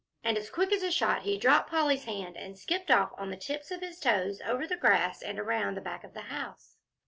And as quick as a shot he dropped Polly's hand and skipped off on the tips of his toes over the grass and around the back of the house.